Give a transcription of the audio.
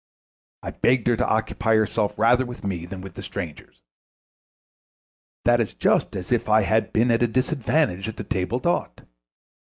I begged her to occupy herself rather with me than with the strangers. That is just as if I had been at a disadvantage at the table d'hôte.